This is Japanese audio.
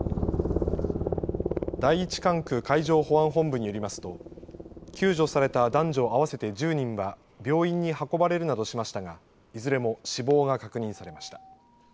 第１管区海上保安本部によりますと救助された男女合わせて１０人は病院に運ばれるなどしましたがいずれも死亡が確認されました。